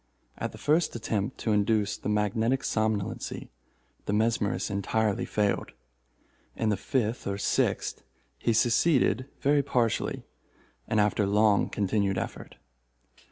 At the first attempt to induce the magnetic somnolency, the mesmerist entirely failed. In the fifth or sixth he succeeded very partially, and after long continued effort.